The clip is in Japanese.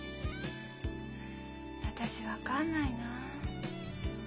私分かんないな。